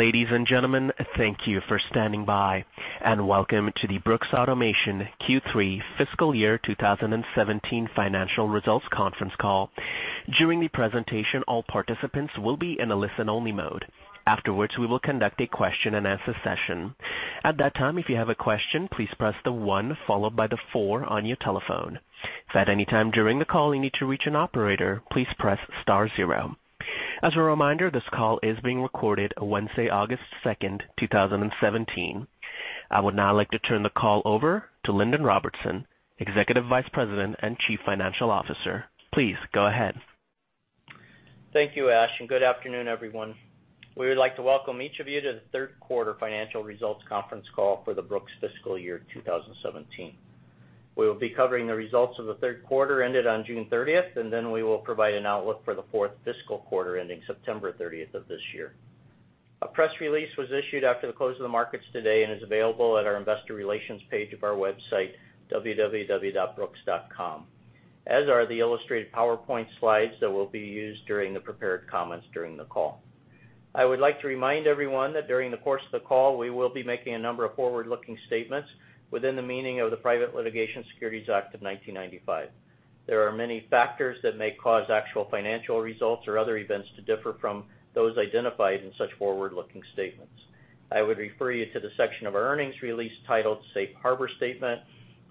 Ladies and gentlemen, thank you for standing by, and welcome to the Brooks Automation Q3 fiscal year 2017 financial results conference call. During the presentation, all participants will be in a listen-only mode. Afterwards, we will conduct a question-and-answer session. At that time, if you have a question, please press the one followed by the four on your telephone. If at any time during the call you need to reach an operator, please press star zero. As a reminder, this call is being recorded Wednesday, August 2nd, 2017. I would now like to turn the call over to Lindon Robertson, Executive Vice President and Chief Financial Officer. Please go ahead. Thank you, Ash, and good afternoon, everyone. We would like to welcome each of you to the third quarter financial results conference call for the Brooks fiscal year 2017. We will be covering the results of the third quarter ended on June 30th, and then we will provide an outlook for the fourth fiscal quarter ending September 30th of this year. A press release was issued after the close of the markets today and is available at our investor relations page of our website, www.brooks.com, as are the illustrated PowerPoint slides that will be used during the prepared comments during the call. I would like to remind everyone that during the course of the call, we will be making a number of forward-looking statements within the meaning of the Private Securities Litigation Reform Act of 1995. There are many factors that may cause actual financial results or other events to differ from those identified in such forward-looking statements. I would refer you to the section of our earnings release titled Safe Harbor Statement,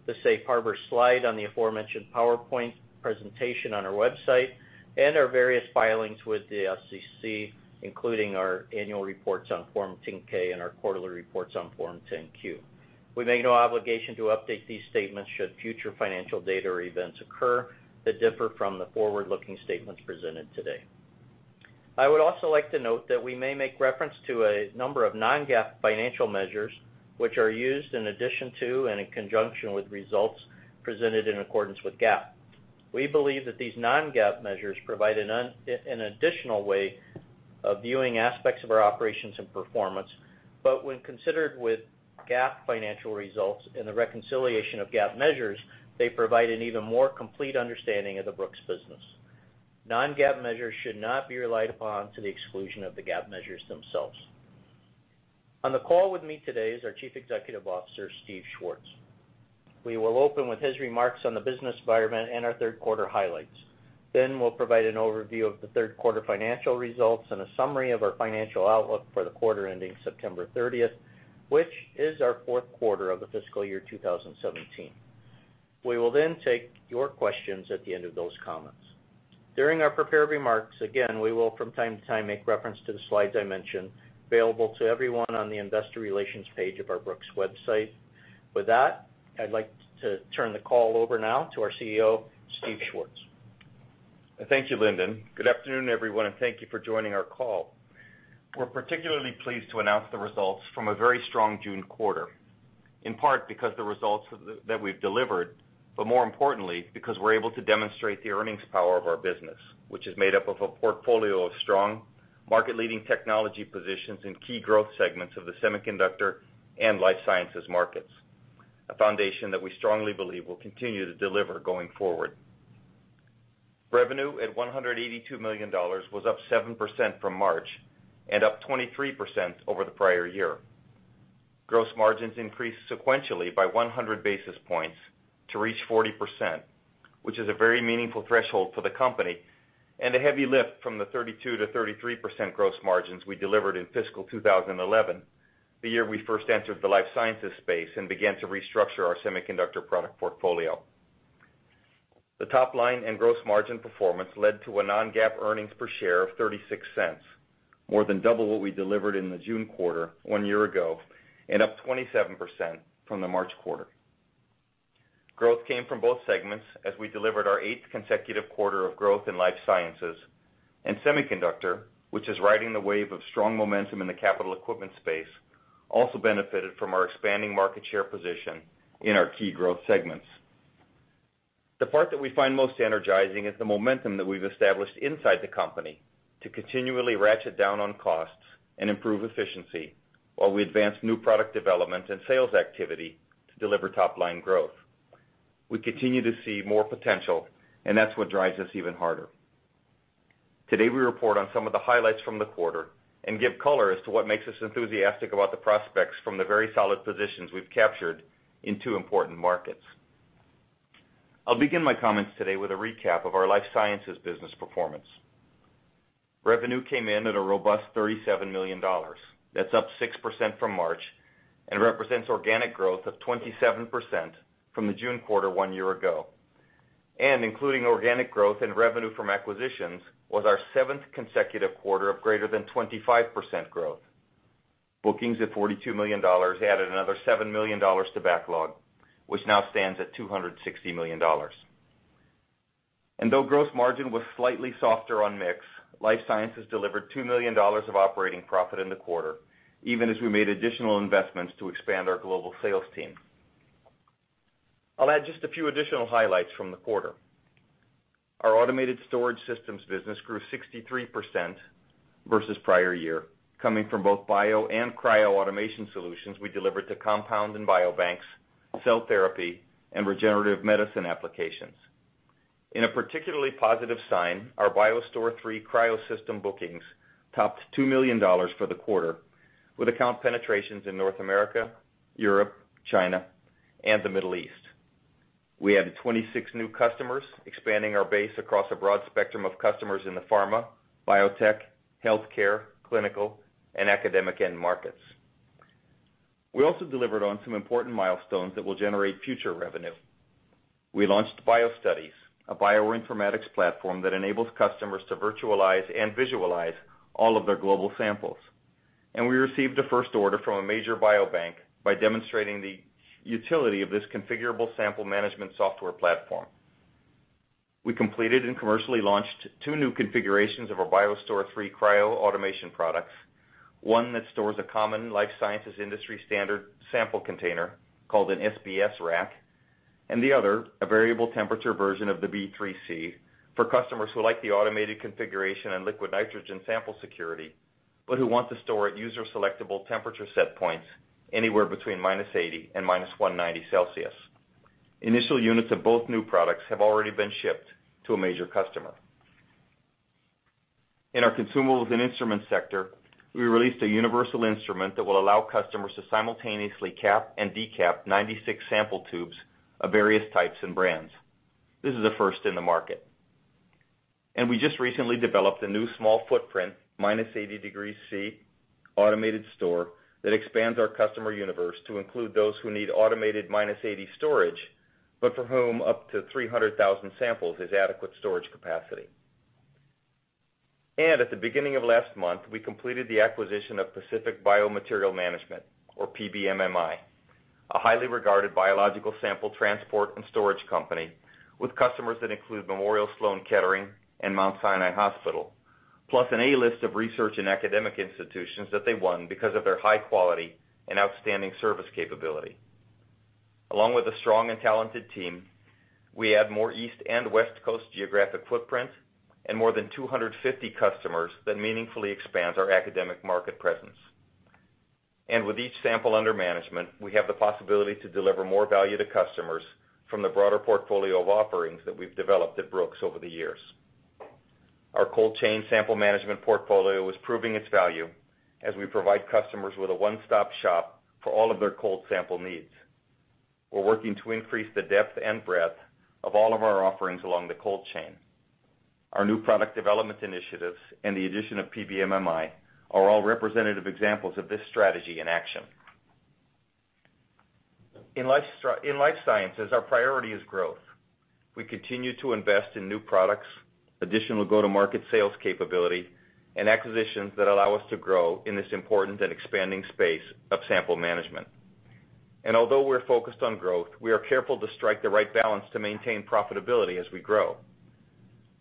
the Safe Harbor slide on the aforementioned PowerPoint presentation on our website, and our various filings with the SEC, including our annual reports on Form 10-K and our quarterly reports on Form 10-Q. We make no obligation to update these statements should future financial data or events occur that differ from the forward-looking statements presented today. I would also like to note that we may make reference to a number of non-GAAP financial measures, which are used in addition to and in conjunction with results presented in accordance with GAAP. We believe that these non-GAAP measures provide an additional way of viewing aspects of our operations and performance, but when considered with GAAP financial results in the reconciliation of GAAP measures, they provide an even more complete understanding of the Brooks business. Non-GAAP measures should not be relied upon to the exclusion of the GAAP measures themselves. On the call with me today is our Chief Executive Officer, Steve Schwartz. We will open with his remarks on the business environment and our third quarter highlights. We'll provide an overview of the third quarter financial results and a summary of our financial outlook for the quarter ending September 30th, which is our fourth quarter of the fiscal year 2017. We will take your questions at the end of those comments. During our prepared remarks, again, we will, from time to time, make reference to the slides I mentioned, available to everyone on the investor relations page of our Brooks website. With that, I'd like to turn the call over now to our CEO, Steve Schwartz. Thank you, Lindon. Good afternoon, everyone, thank you for joining our call. We're particularly pleased to announce the results from a very strong June quarter, in part because the results that we've delivered, more importantly, because we're able to demonstrate the earnings power of our business, which is made up of a portfolio of strong market-leading technology positions in key growth segments of the semiconductor and life sciences markets, a foundation that we strongly believe will continue to deliver going forward. Revenue at $182 million was up 7% from March and up 23% over the prior year. Gross margins increased sequentially by 100 basis points to reach 40%, which is a very meaningful threshold for the company and a heavy lift from the 32%-33% gross margins we delivered in fiscal 2011, the year we first entered the life sciences space and began to restructure our semiconductor product portfolio. The top line and gross margin performance led to a non-GAAP earnings per share of $0.36, more than double what we delivered in the June quarter one year ago and up 27% from the March quarter. Growth came from both segments as we delivered our eighth consecutive quarter of growth in life sciences, semiconductor, which is riding the wave of strong momentum in the capital equipment space, also benefited from our expanding market share position in our key growth segments. The part that we find most energizing is the momentum that we've established inside the company to continually ratchet down on costs and improve efficiency while we advance new product development and sales activity to deliver top-line growth. We continue to see more potential, that's what drives us even harder. Today, we report on some of the highlights from the quarter and give color as to what makes us enthusiastic about the prospects from the very solid positions we've captured in two important markets. I'll begin my comments today with a recap of our life sciences business performance. Revenue came in at a robust $37 million. That's up 6% from March and represents organic growth of 27% from the June quarter one year ago, including organic growth and revenue from acquisitions, was our seventh consecutive quarter of greater than 25% growth. Bookings at $42 million added another $7 million to backlog, which now stands at $260 million. Though gross margin was slightly softer on mix, life sciences delivered $2 million of operating profit in the quarter, even as we made additional investments to expand our global sales team. I'll add just a few additional highlights from the quarter. Our automated storage systems business grew 63% versus prior year, coming from both bio and cryo automation solutions we delivered to compound and biobanks, cell therapy, and regenerative medicine applications. In a particularly positive sign, our BioStore III Cryo System bookings topped $2 million for the quarter, with account penetrations in North America, Europe, China, and the Middle East. We added 26 new customers, expanding our base across a broad spectrum of customers in the pharma, biotech, healthcare, clinical, and academic end markets. We also delivered on some important milestones that will generate future revenue. We launched BioStudies, a bioinformatics platform that enables customers to virtualize and visualize all of their global samples. We received a first order from a major biobank by demonstrating the utility of this configurable sample management software platform. We completed and commercially launched two new configurations of our BioStore III Cryo automation products. One that stores a common life sciences industry standard sample container, called an SBS rack, and the other, a variable temperature version of the B3C for customers who like the automated configuration and liquid nitrogen sample security, but who want to store at user selectable temperature set points anywhere between -80 degrees Celsius and -190 degrees Celsius. Initial units of both new products have already been shipped to a major customer. In our consumables and instruments sector, we released a universal instrument that will allow customers to simultaneously cap and decap 96 sample tubes of various types and brands. This is a first in the market. We just recently developed a new small footprint, -80 degrees Celsius automated store that expands our customer universe to include those who need automated -80 storage, but for whom up to 300,000 samples is adequate storage capacity. At the beginning of last month, we completed the acquisition of Pacific Biomaterial Management, or PBMMI, a highly regarded biological sample transport and storage company with customers that include Memorial Sloan Kettering and Mount Sinai Hospital. Plus an A-list of research and academic institutions that they won because of their high quality and outstanding service capability. Along with a strong and talented team, we add more East and West Coast geographic footprint and more than 250 customers that meaningfully expands our academic market presence. With each sample under management, we have the possibility to deliver more value to customers from the broader portfolio of offerings that we've developed at Brooks over the years. Our cold chain sample management portfolio is proving its value as we provide customers with a one-stop shop for all of their cold sample needs. We're working to increase the depth and breadth of all of our offerings along the cold chain. Our new product development initiatives and the addition of PBMMI are all representative examples of this strategy in action. In life sciences, our priority is growth. We continue to invest in new products, additional go-to-market sales capability, and acquisitions that allow us to grow in this important and expanding space of sample management. Although we're focused on growth, we are careful to strike the right balance to maintain profitability as we grow.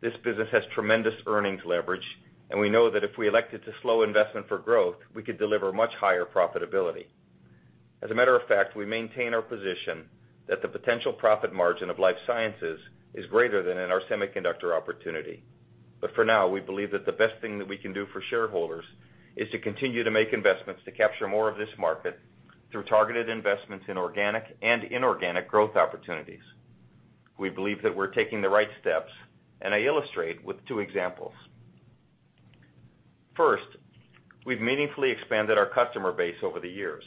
This business has tremendous earnings leverage, and we know that if we elected to slow investment for growth, we could deliver much higher profitability. As a matter of fact, we maintain our position that the potential profit margin of life sciences is greater than in our semiconductor opportunity. For now, we believe that the best thing that we can do for shareholders is to continue to make investments to capture more of this market through targeted investments in organic and inorganic growth opportunities. We believe that we're taking the right steps, and I illustrate with two examples. First, we've meaningfully expanded our customer base over the years.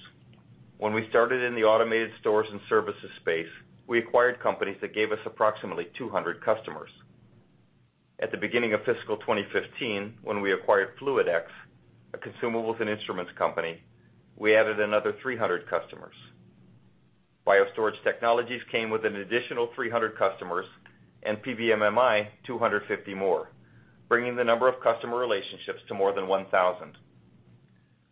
When we started in the automated stores and services space, we acquired companies that gave us approximately 200 customers. At the beginning of fiscal 2015, when we acquired FluidX, a consumables and instruments company, we added another 300 customers. BioStorage Technologies came with an additional 300 customers, and PBMMI, 250 more, bringing the number of customer relationships to more than 1,000.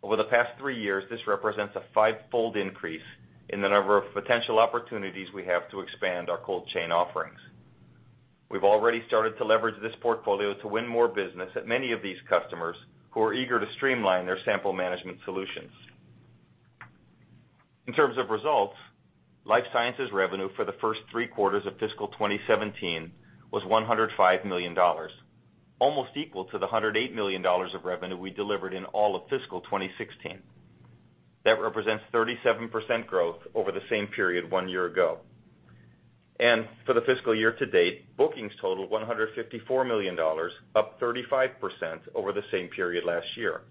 Over the past three years, this represents a fivefold increase in the number of potential opportunities we have to expand our cold chain offerings. We've already started to leverage this portfolio to win more business at many of these customers who are eager to streamline their sample management solutions. In terms of results, life sciences revenue for the first three quarters of fiscal 2017 was $105 million, almost equal to the $108 million of revenue we delivered in all of fiscal 2016. That represents 37% growth over the same period one year ago. For the fiscal year to date, bookings totaled $154 million, up 35% over the same period last year.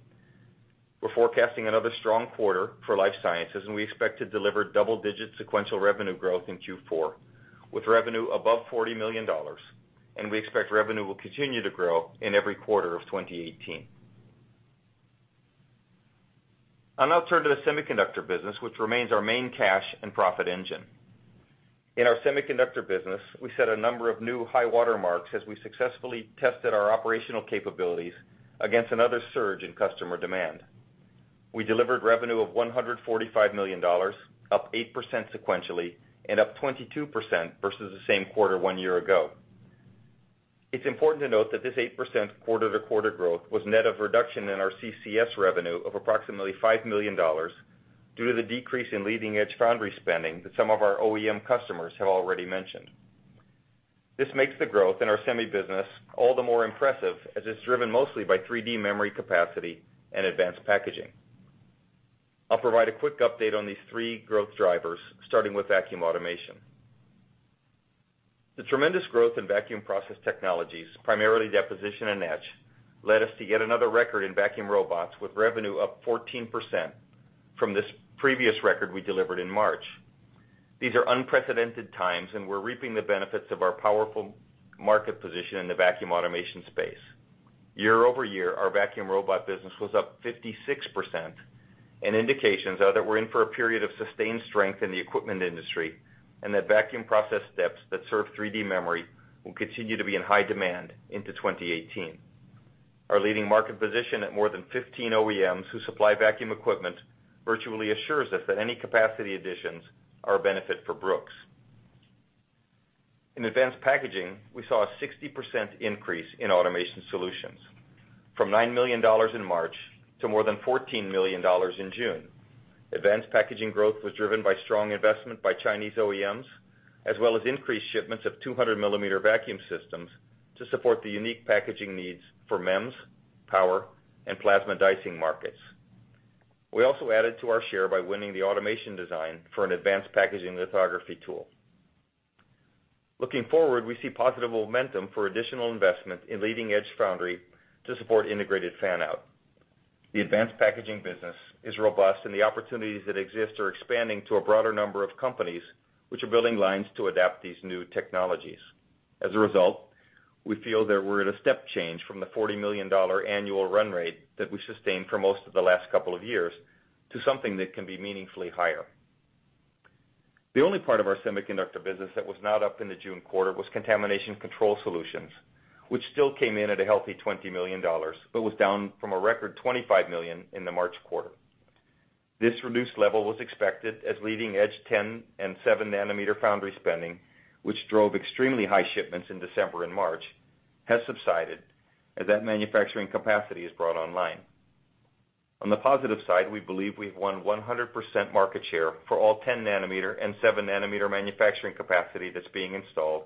We're forecasting another strong quarter for life sciences, and we expect to deliver double-digit sequential revenue growth in Q4, with revenue above $40 million, and we expect revenue will continue to grow in every quarter of 2018. I'll now turn to the semiconductor business, which remains our main cash and profit engine. In our semiconductor business, we set a number of new high water marks as we successfully tested our operational capabilities against another surge in customer demand. We delivered revenue of $145 million, up 8% sequentially and up 22% versus the same quarter one year ago. It's important to note that this 8% quarter-to-quarter growth was net of reduction in our CCS revenue of approximately $5 million due to the decrease in leading-edge foundry spending that some of our OEM customers have already mentioned. This makes the growth in our semi business all the more impressive as it's driven mostly by 3D memory capacity and advanced packaging. I'll provide a quick update on these three growth drivers, starting with vacuum automation. The tremendous growth in vacuum process technologies, primarily deposition and etch, led us to yet another record in vacuum robots with revenue up 14% from this previous record we delivered in March. These are unprecedented times, and we're reaping the benefits of our powerful market position in the vacuum automation space. Year-over-year, our vacuum robot business was up 56%, and indications are that we're in for a period of sustained strength in the equipment industry, and that vacuum process steps that serve 3D memory will continue to be in high demand into 2018. Our leading market position at more than 15 OEMs who supply vacuum equipment virtually assures us that any capacity additions are a benefit for Brooks. In advanced packaging, we saw a 60% increase in automation solutions, from $9 million in March to more than $14 million in June. Advanced packaging growth was driven by strong investment by Chinese OEMs, as well as increased shipments of 200-millimeter vacuum systems to support the unique packaging needs for MEMS, power, and plasma dicing markets. We also added to our share by winning the automation design for an advanced packaging lithography tool. Looking forward, we see positive momentum for additional investment in leading-edge foundry to support integrated fan-out. The advanced packaging business is robust, and the opportunities that exist are expanding to a broader number of companies, which are building lines to adapt these new technologies. As a result, we feel that we're at a step change from the $40 million annual run rate that we sustained for most of the last couple of years to something that can be meaningfully higher. The only part of our semiconductor business that was not up in the June quarter was contamination control solutions, which still came in at a healthy $20 million, but was down from a record $25 million in the March quarter. This reduced level was expected as leading-edge 10 and seven-nanometer foundry spending, which drove extremely high shipments in December and March, has subsided as that manufacturing capacity is brought online. On the positive side, we believe we've won 100% market share for all 10-nanometer and seven-nanometer manufacturing capacity that's being installed.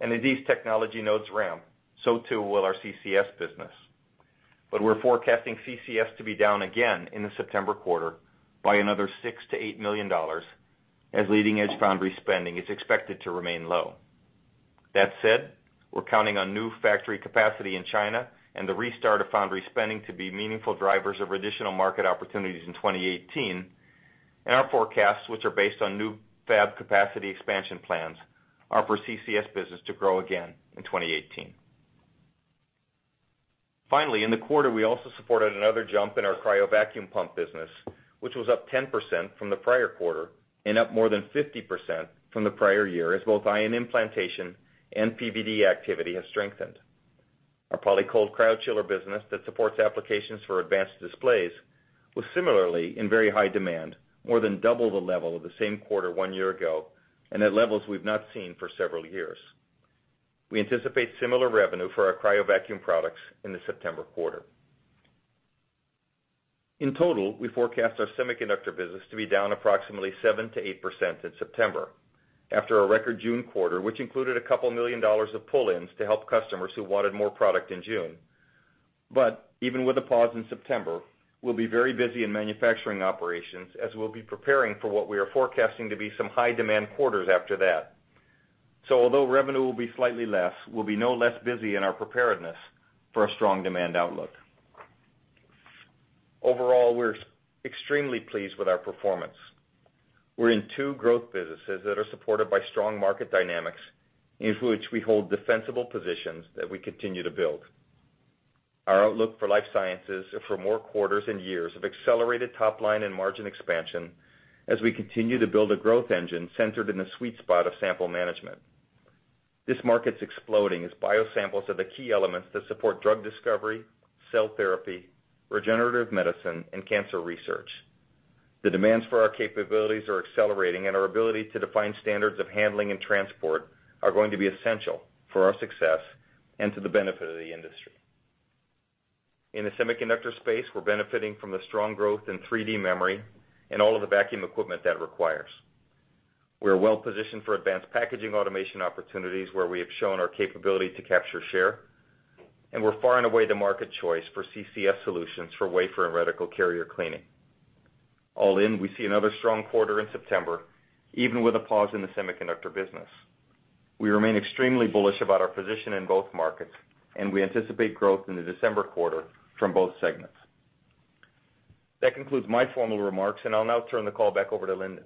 As these technology nodes ramp, so too will our CCS business. We're forecasting CCS to be down again in the September quarter by another $6 million to $8 million, as leading-edge foundry spending is expected to remain low. That said, we're counting on new factory capacity in China and the restart of foundry spending to be meaningful drivers of additional market opportunities in 2018, and our forecasts, which are based on new fab capacity expansion plans, are for CCS business to grow again in 2018. Finally, in the quarter, we also supported another jump in our cryo vacuum pump business, which was up 10% from the prior quarter and up more than 50% from the prior year as both ion implantation and PVD activity has strengthened. Our Polycold cryochiller business that supports applications for advanced displays was similarly in very high demand, more than double the level of the same quarter one year ago, and at levels we've not seen for several years. We anticipate similar revenue for our cryo vacuum products in the September quarter. In total, we forecast our semiconductor business to be down approximately 7%-8% in September after a record June quarter, which included a couple million dollars of pull-ins to help customers who wanted more product in June. But even with a pause in September, we'll be very busy in manufacturing operations as we'll be preparing for what we are forecasting to be some high-demand quarters after that. So although revenue will be slightly less, we'll be no less busy in our preparedness for a strong demand outlook. Overall, we're extremely pleased with our performance. We're in two growth businesses that are supported by strong market dynamics in which we hold defensible positions that we continue to build. Our outlook for life sciences is for more quarters and years of accelerated top-line and margin expansion as we continue to build a growth engine centered in the sweet spot of sample management. This market's exploding as biosamples are the key elements that support drug discovery, cell therapy, regenerative medicine, and cancer research. The demands for our capabilities are accelerating, and our ability to define standards of handling and transport are going to be essential for our success and to the benefit of the industry. In the semiconductor space, we're benefiting from the strong growth in 3D memory and all of the vacuum equipment that requires. We're well-positioned for advanced packaging automation opportunities where we have shown our capability to capture share, we're far and away the market choice for CCS solutions for wafer and reticle carrier cleaning. All in, we see another strong quarter in September, even with a pause in the semiconductor business. We remain extremely bullish about our position in both markets, we anticipate growth in the December quarter from both segments. That concludes my formal remarks, and I'll now turn the call back over to Lindon.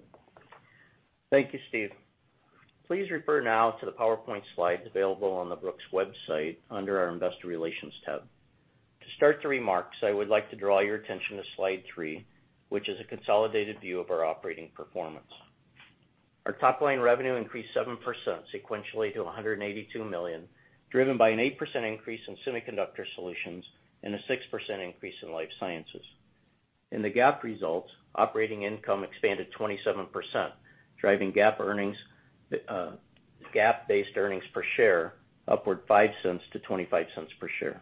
Thank you, Steve. Please refer now to the PowerPoint slides available on the Brooks website under our investor relations tab. To start the remarks, I would like to draw your attention to slide three, which is a consolidated view of our operating performance. Our top-line revenue increased 7% sequentially to $182 million, driven by an 8% increase in semiconductor solutions and a 6% increase in life sciences. In the GAAP results, operating income expanded 27%, driving GAAP-based earnings per share upward $0.05 to $0.25 per share.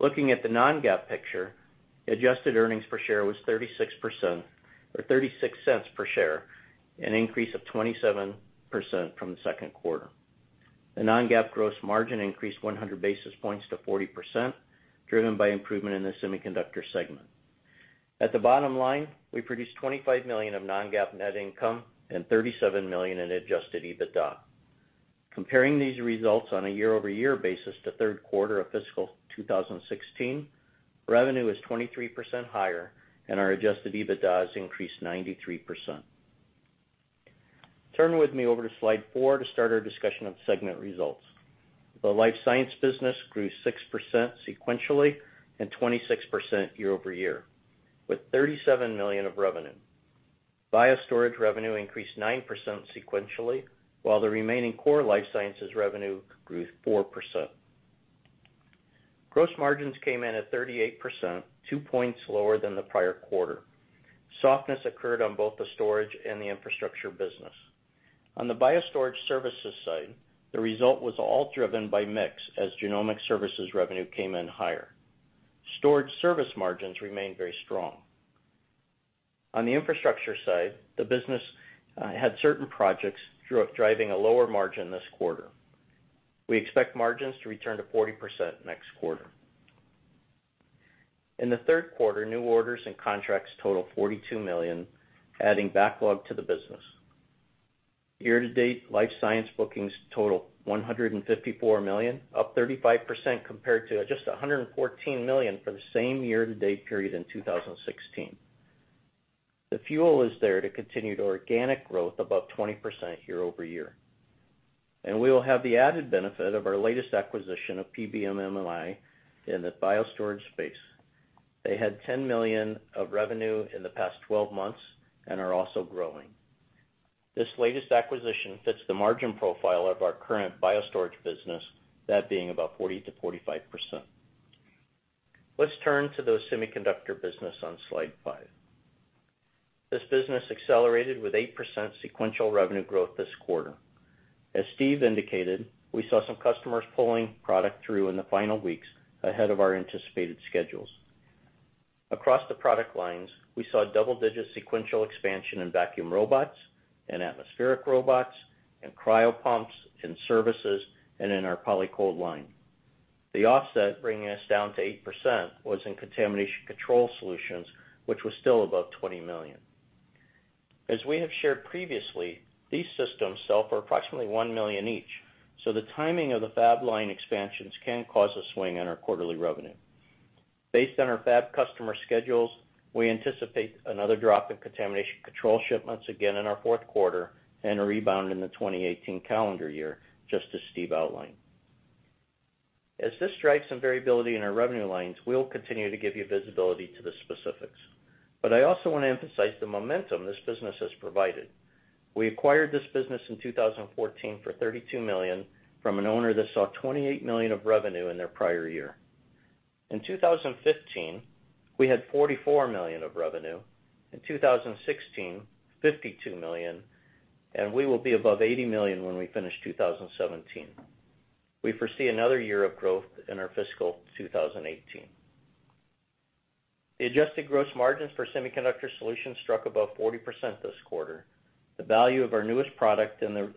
Looking at the non-GAAP picture, adjusted earnings per share was $0.36 per share, an increase of 27% from the second quarter. The non-GAAP gross margin increased 100 basis points to 40%, driven by improvement in the semiconductor segment. At the bottom line, we produced $25 million of non-GAAP net income and $37 million in adjusted EBITDA. Comparing these results on a year-over-year basis to third quarter of fiscal 2016, revenue is 23% higher, our adjusted EBITDA has increased 93%. Turn with me over to slide four to start our discussion of segment results. The life science business grew 6% sequentially and 26% year-over-year, with $37 million of revenue. BioStorage revenue increased 9% sequentially, while the remaining core life sciences revenue grew 4%. Gross margins came in at 38%, two points lower than the prior quarter. Softness occurred on both the storage and the infrastructure business. On the BioStorage services side, the result was all driven by mix as genomic services revenue came in higher. Storage service margins remained very strong. On the infrastructure side, the business had certain projects driving a lower margin this quarter. We expect margins to return to 40% next quarter. In the third quarter, new orders and contracts total $42 million, adding backlog to the business. Year-to-date, life science bookings total $154 million, up 35% compared to just $114 million for the same year-to-date period in 2016. The fuel is there to continue the organic growth above 20% year-over-year. We will have the added benefit of our latest acquisition of PBMMI in the BioStorage space. They had $10 million of revenue in the past 12 months and are also growing. This latest acquisition fits the margin profile of our current BioStorage business, that being about 40%-45%. Let's turn to the semiconductor business on slide five. This business accelerated with 8% sequential revenue growth this quarter. As Steve indicated, we saw some customers pulling product through in the final weeks ahead of our anticipated schedules. Across the product lines, we saw double-digit sequential expansion in vacuum robots, in atmospheric robots, in cryo pumps, in services, and in our Polycold line. The offset bringing us down to 8% was in contamination control solutions, which was still above $20 million. As we have shared previously, these systems sell for approximately $1 million each, so the timing of the fab line expansions can cause a swing in our quarterly revenue. Based on our fab customer schedules, we anticipate another drop in contamination control shipments again in our fourth quarter and a rebound in the 2018 calendar year, just as Steve outlined. As this drives some variability in our revenue lines, we'll continue to give you visibility to the specifics. I also want to emphasize the momentum this business has provided. We acquired this business in 2014 for $32 million from an owner that saw $28 million of revenue in their prior year. In 2015, we had $44 million of revenue. In 2016, $52 million, and we will be above $80 million when we finish 2017. We foresee another year of growth in our fiscal 2018. The adjusted gross margins for semiconductor solutions struck above 40% this quarter. The value of our newest products and the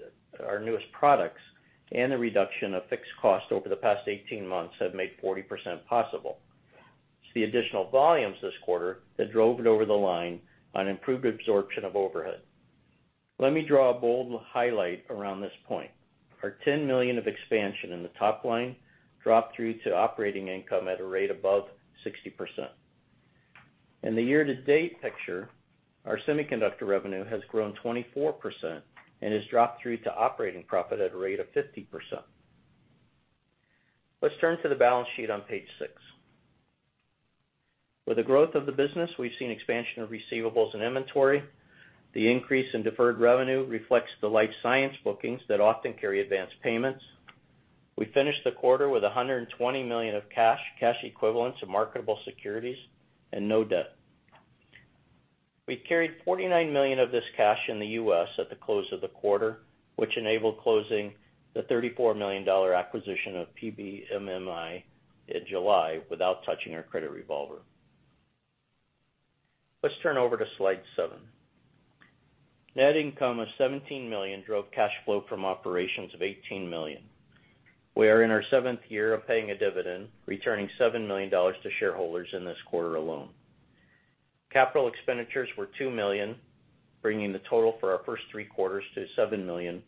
reduction of fixed costs over the past 18 months have made 40% possible. It's the additional volumes this quarter that drove it over the line on improved absorption of overhead. Let me draw a bold highlight around this point. Our $10 million of expansion in the top line dropped through to operating income at a rate above 60%. In the year-to-date picture, our semiconductor revenue has grown 24% and has dropped through to operating profit at a rate of 50%. Let's turn to the balance sheet on page six. With the growth of the business, we've seen expansion of receivables and inventory. The increase in deferred revenue reflects the life science bookings that often carry advanced payments. We finished the quarter with $120 million of cash equivalents of marketable securities and no debt. We carried $49 million of this cash in the U.S. at the close of the quarter, which enabled closing the $34 million acquisition of PBMMI in July without touching our credit revolver. Let's turn over to slide seven. Net income of $17 million drove cash flow from operations of $18 million. We are in our seventh year of paying a dividend, returning $7 million to shareholders in this quarter alone. Capital expenditures were $2 million, bringing the total for our first three quarters to $7 million.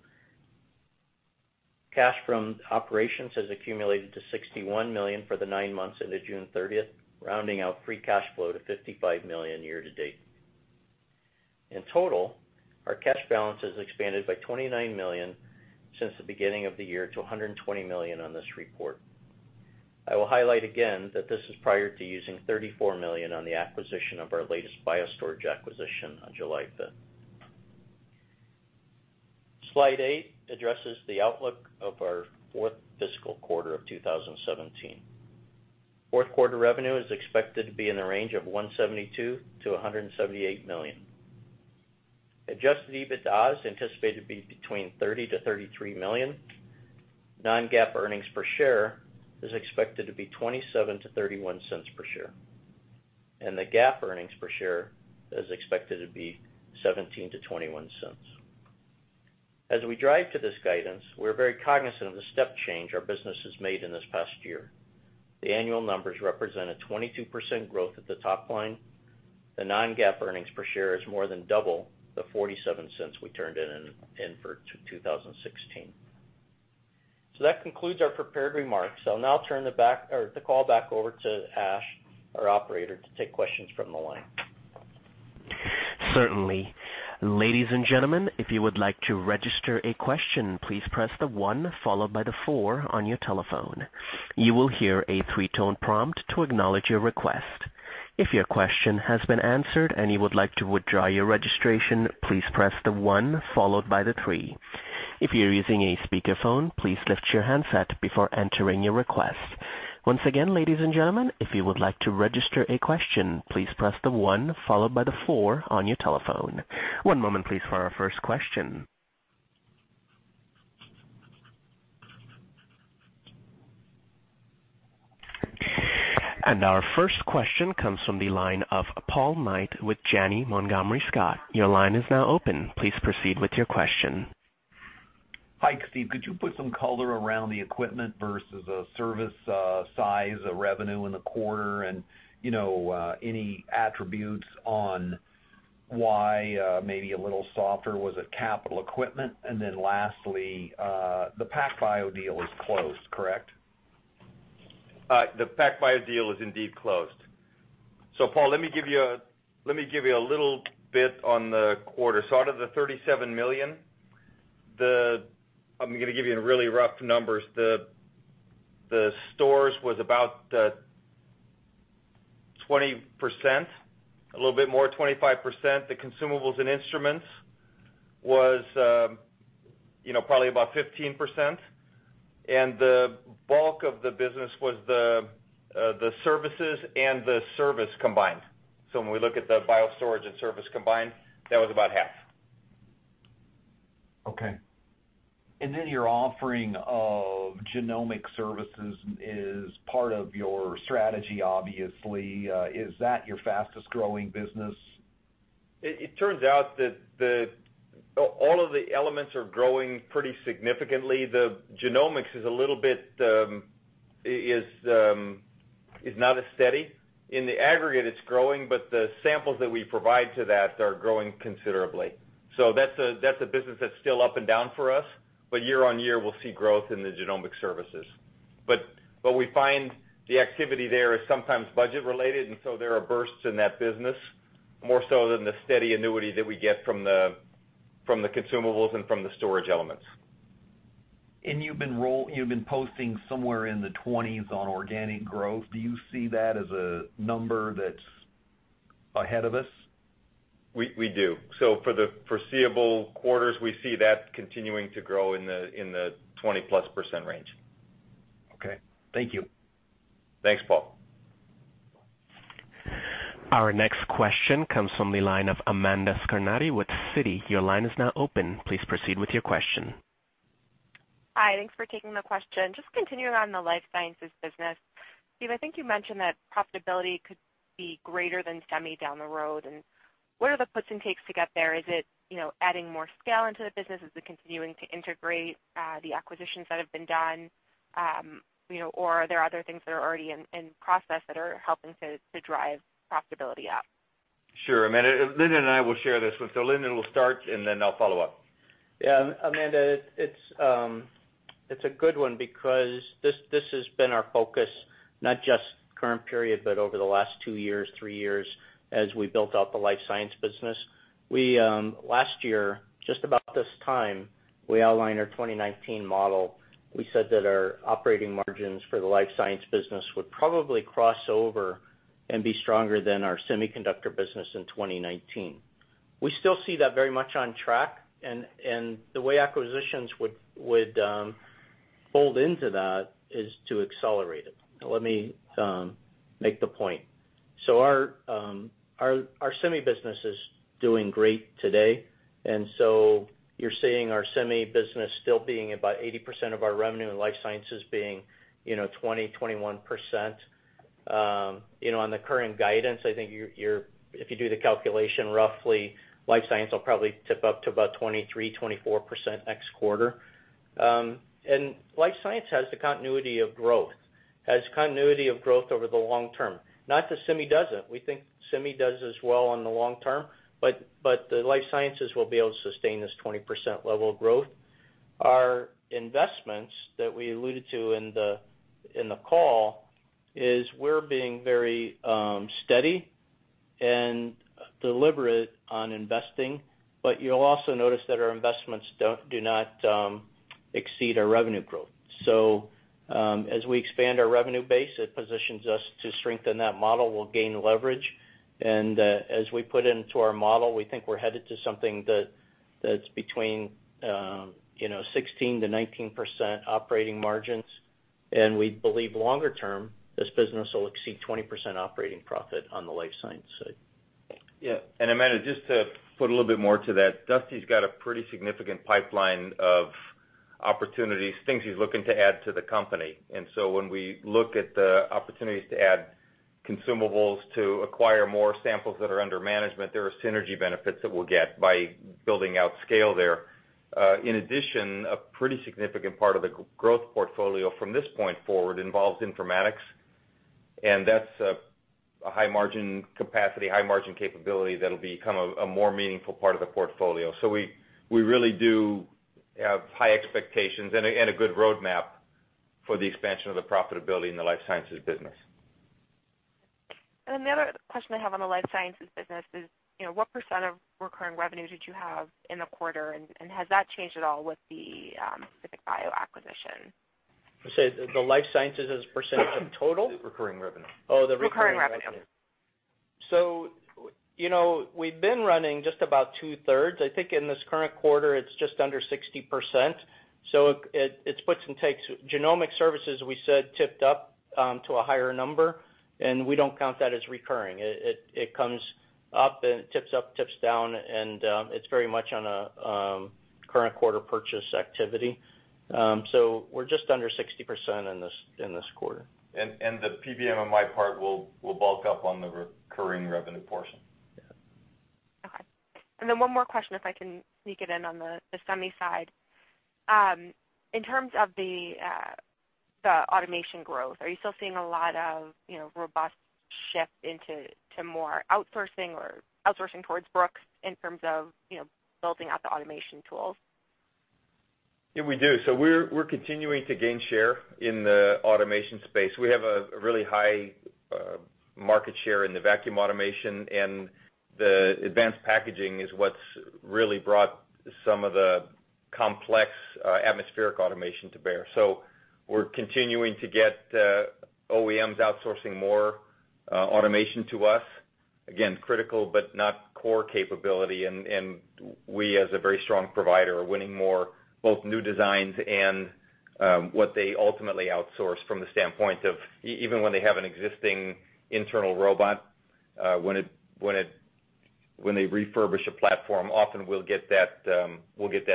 Cash from operations has accumulated to $61 million for the nine months into June 30th, rounding out free cash flow to $55 million year-to-date. In total, our cash balance has expanded by $29 million since the beginning of the year to $120 million on this report. I will highlight again that this is prior to using $34 million on the acquisition of our latest BioStorage acquisition on July 5th. Slide eight addresses the outlook of our fourth fiscal quarter of 2017. Fourth quarter revenue is expected to be in the range of $172 million-$178 million. Adjusted EBITDA is anticipated to be between $30 million-$33 million. Non-GAAP earnings per share is expected to be $0.27-$0.31 per share. The GAAP earnings per share is expected to be $0.17-$0.21. As we drive to this guidance, we're very cognizant of the step change our business has made in this past year. The annual numbers represent a 22% growth at the top line. The non-GAAP earnings per share is more than double the $0.47 we turned in for 2016. That concludes our prepared remarks. I'll now turn the call back over to Ash, our operator, to take questions from the line. Certainly. Ladies and gentlemen, if you would like to register a question, please press the one followed by the four on your telephone. You will hear a three-tone prompt to acknowledge your request. If your question has been answered and you would like to withdraw your registration, please press the one followed by the three. If you're using a speakerphone, please lift your handset before entering your request. Once again, ladies and gentlemen, if you would like to register a question, please press the one followed by the four on your telephone. One moment please for our first question. Our first question comes from the line of Paul Knight with Janney Montgomery Scott. Your line is now open. Please proceed with your question. Hi, Steve. Could you put some color around the equipment versus the service size of revenue in the quarter and any attributes on why maybe a little softer was it capital equipment? Lastly, the PBMMI deal is closed, correct? The PBMMI deal is indeed closed. Paul, let me give you a little bit on the quarter. Out of the $37 million, I'm going to give you really rough numbers. The stores was about 20%, a little bit more, 25%. The consumables and instruments was probably about 15%, and the bulk of the business was the services and the service combined. When we look at the biostorage and service combined, that was about half. Okay. Your offering of genomic services is part of your strategy, obviously. Is that your fastest-growing business? It turns out that all of the elements are growing pretty significantly. The genomics is not as steady. In the aggregate, it's growing, but the samples that we provide to that are growing considerably. That's a business that's still up and down for us, but year-on-year, we'll see growth in the genomic services. We find the activity there is sometimes budget related, there are bursts in that business more so than the steady annuity that we get from the consumables and from the storage elements. You've been posting somewhere in the 20s on organic growth. Do you see that as a number that's ahead of us? We do. For the foreseeable quarters, we see that continuing to grow in the 20-plus % range. Okay. Thank you. Thanks, Paul. Our next question comes from the line of Amanda Scarnati with Citi. Your line is now open. Please proceed with your question. Hi. Thanks for taking the question. Just continuing on the life sciences business. Steve, I think you mentioned that profitability could be greater than semi down the road. What are the puts and takes to get there? Is it adding more scale into the business? Is it continuing to integrate the acquisitions that have been done? Are there other things that are already in process that are helping to drive profitability up? Sure, Amanda. Lindon and I will share this one. Lindon will start, then I'll follow up. Yeah, Amanda, it's a good one because this has been our focus, not just current period, but over the last two years, three years, as we built out the life science business. Last year, just about this time, we outlined our 2019 model. We said that our operating margins for the life science business would probably cross over and be stronger than our semiconductor business in 2019. We still see that very much on track, the way acquisitions would fold into that is to accelerate it. Let me make the point. Our semi business is doing great today, you're seeing our semi business still being about 80% of our revenue, and life sciences being 20%, 21%. On the current guidance, I think if you do the calculation, roughly life science will probably tip up to about 23%, 24% next quarter. Life science has the continuity of growth, has continuity of growth over the long term. Not that semi doesn't. We think semi does as well in the long term, life sciences will be able to sustain this 20% level of growth. Our investments that we alluded to in the call is we're being very steady and deliberate on investing, you'll also notice that our investments do not exceed our revenue growth. As we expand our revenue base, it positions us to strengthen that model. We'll gain leverage. As we put into our model, we think we're headed to something that's between 16%-19% operating margins. We believe longer term, this business will exceed 20% operating profit on the life science side. Amanda, just to put a little bit more to that, Dusty's got a pretty significant pipeline of opportunities, things he's looking to add to the company. When we look at the opportunities to add consumables to acquire more samples that are under management, there are synergy benefits that we'll get by building out scale there. In addition, a pretty significant part of the growth portfolio from this point forward involves informatics, and that's a high margin capacity, high margin capability that'll become a more meaningful part of the portfolio. We really do have high expectations and a good roadmap for the expansion of the profitability in the life sciences business. The other question I have on the life sciences business is, what percent of recurring revenues did you have in the quarter, and has that changed at all with the Pacific Bio acquisition? You say the life sciences as a percentage of total? Recurring revenue. The recurring revenue. Recurring revenue. We've been running just about two-thirds. I think in this current quarter, it's just under 60%. It's puts and takes. Genomic services, we said, tipped up to a higher number, and we don't count that as recurring. It comes up, and it tips up, tips down, and it's very much on a current quarter purchase activity. We're just under 60% in this quarter. The PBMMI part will bulk up on the recurring revenue portion. Yeah. Okay. One more question if I can sneak it in on the semi side. In terms of the automation growth, are you still seeing a lot of robust shift into more outsourcing or outsourcing towards Brooks in terms of building out the automation tools? Yeah, we do. We're continuing to gain share in the automation space. We have a really high market share in the vacuum automation, and the advanced packaging is what's really brought some of the complex atmospheric automation to bear. We're continuing to get OEMs outsourcing more automation to us. Again, critical but not core capability, and we, as a very strong provider, are winning more, both new designs and what they ultimately outsource from the standpoint of even when they have an existing internal robot, when they refurbish a platform, often we'll get that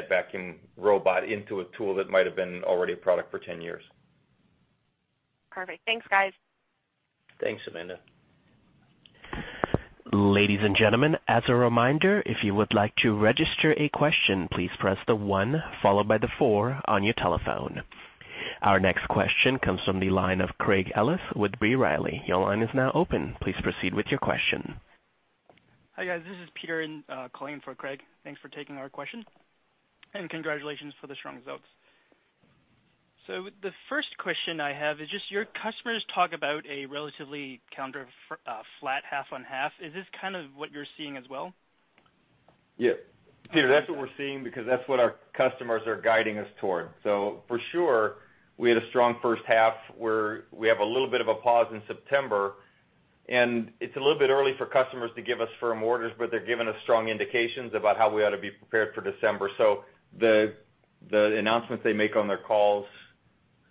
vacuum robot into a tool that might have been already a product for 10 years. Perfect. Thanks, guys. Thanks, Amanda. Ladies and gentlemen, as a reminder, if you would like to register a question, please press the one followed by the four on your telephone. Our next question comes from the line of Craig Ellis with B. Riley. Your line is now open. Please proceed with your question. Hi, guys. This is Peter calling for Craig. Thanks for taking our question, and congratulations for the strong results. The first question I have is just your customers talk about a relatively [counter flat] half on half. Is this kind of what you're seeing as well? Yeah. Peter, that's what we're seeing because that's what our customers are guiding us toward. For sure, we had a strong first half where we have a little bit of a pause in September. It's a little bit early for customers to give us firm orders, they're giving us strong indications about how we ought to be prepared for December. The announcements they make on their calls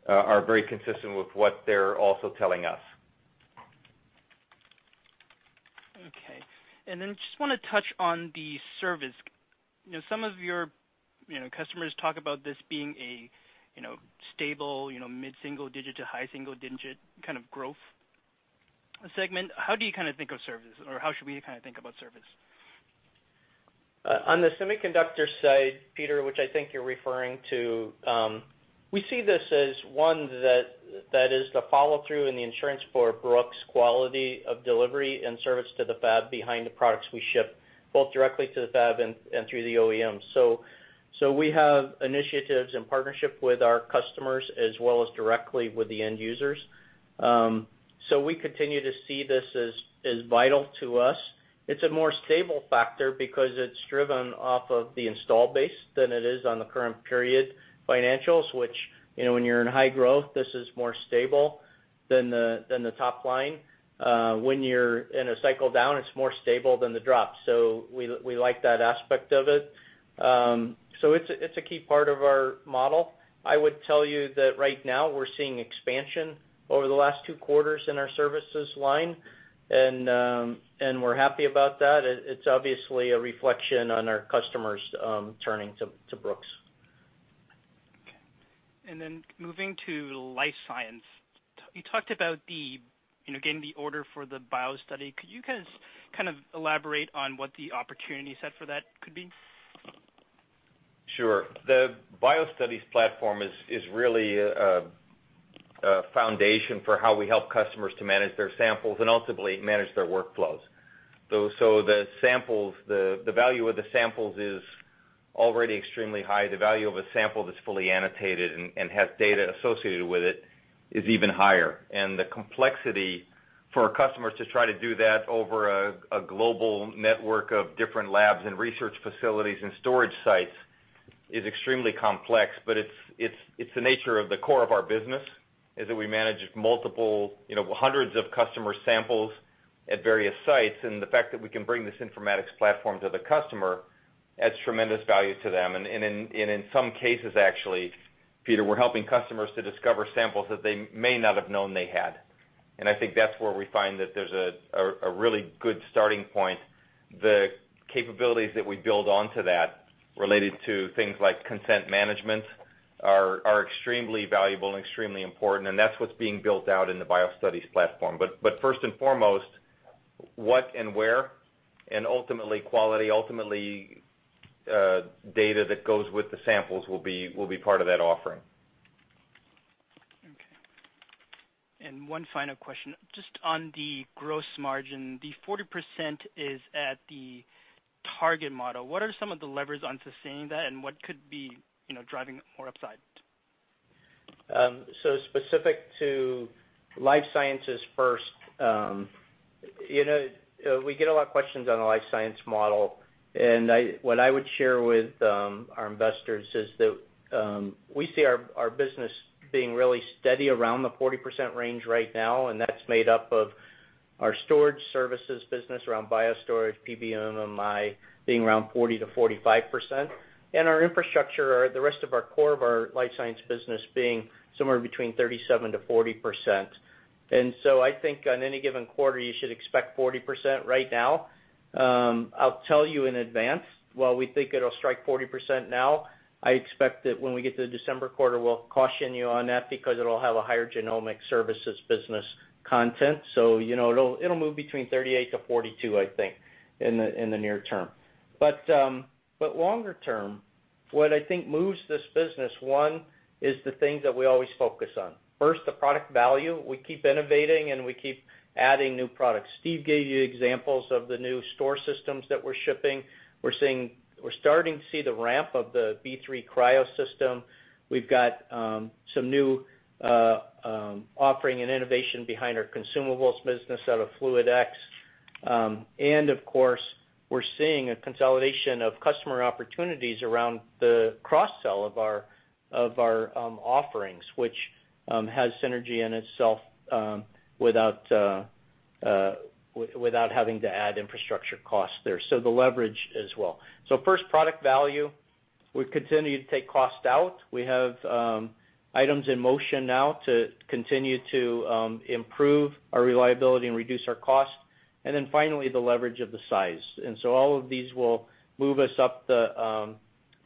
are very consistent with what they're also telling us. Okay. Just want to touch on the service. Some of your customers talk about this being a stable, mid-single digit to high single digit kind of growth segment. How do you kind of think of service, or how should we kind of think about service? Peter, which I think you're referring to, we see this as one that is the follow-through and the insurance for Brooks' quality of delivery and service to the fab behind the products we ship, both directly to the fab and through the OEM. We have initiatives and partnership with our customers as well as directly with the end users. We continue to see this as vital to us. It's a more stable factor because it's driven off of the installed base than it is on the current period financials, which when you're in high growth, this is more stable than the top line. When you're in a cycle down, it's more stable than the drop. We like that aspect of it. It's a key part of our model. I would tell you that right now we're seeing expansion over the last two quarters in our services line, and we're happy about that. It's obviously a reflection on our customers turning to Brooks. Okay. Moving to life science. You talked about getting the order for the BioStudies. Could you guys kind of elaborate on what the opportunity set for that could be? Sure. The BioStudies platform is really a foundation for how we help customers to manage their samples and ultimately manage their workflows. The value of the samples is already extremely high. The value of a sample that's fully annotated and has data associated with it is even higher. The complexity for our customers to try to do that over a global network of different labs and research facilities and storage sites is extremely complex, but it's the nature of the core of our business, is that we manage hundreds of customer samples at various sites, and the fact that we can bring this bioinformatics platform to the customer adds tremendous value to them. In some cases, actually, Peter, we're helping customers to discover samples that they may not have known they had. I think that's where we find that there's a really good starting point. The capabilities that we build onto that related to things like consent management are extremely valuable and extremely important, and that's what's being built out in the BioStudies platform. First and foremost, what and where, and ultimately quality, data that goes with the samples will be part of that offering. Okay. One final question. Just on the gross margin, the 40% is at the target model. What are some of the levers on sustaining that and what could be driving more upside? Specific to life sciences first, we get a lot of questions on the life science model. What I would share with our investors is that we see our business being really steady around the 40% range right now, and that's made up of our storage services business around BioStorage, PB, and MMI being around 40%-45%. Our infrastructure, the rest of our core of our life science business being somewhere between 37%-40%. I think on any given quarter, you should expect 40% right now. I'll tell you in advance, while we think it'll strike 40% now, I expect that when we get to the December quarter, we'll caution you on that because it'll have a higher genomic services business content. It'll move between 38%-42%, I think, in the near term. Longer term, what I think moves this business, one, is the things that we always focus on. First, the product value. We keep innovating, and we keep adding new products. Steve gave you examples of the new BioStore systems that we're shipping. We're starting to see the ramp of the B3 Cryo system. We've got some new offering and innovation behind our consumables business out of FluidX. Of course, we're seeing a consolidation of customer opportunities around the cross-sell of our offerings, which has synergy in itself without having to add infrastructure costs there. The leverage as well. First, product value. We continue to take cost out. We have items in motion now to continue to improve our reliability and reduce our cost. Then finally, the leverage of the size. All of these will move us up the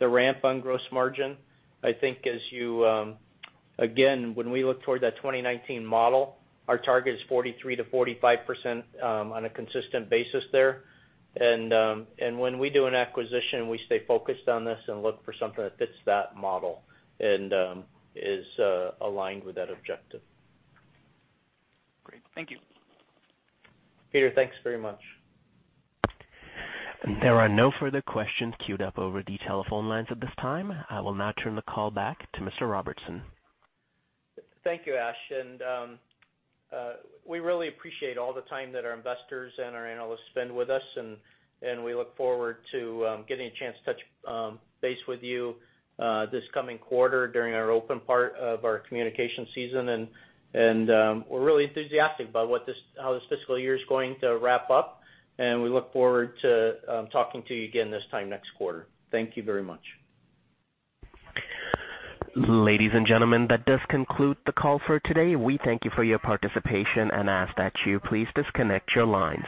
ramp on gross margin. I think, again, when we look toward that 2019 model, our target is 43%-45% on a consistent basis there. When we do an acquisition, we stay focused on this and look for something that fits that model and is aligned with that objective. Great. Thank you. Peter, thanks very much. There are no further questions queued up over the telephone lines at this time. I will now turn the call back to Mr. Robertson. Thank you, Ash, and we really appreciate all the time that our investors and our analysts spend with us, and we look forward to getting a chance to touch base with you this coming quarter during our open part of our communication season. We're really enthusiastic about how this fiscal year is going to wrap up, and we look forward to talking to you again this time next quarter. Thank you very much. Ladies and gentlemen, that does conclude the call for today. We thank you for your participation and ask that you please disconnect your lines.